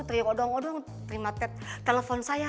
terima telepon saya